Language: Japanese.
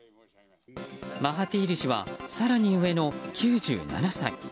マハティール氏は更に上の９７歳。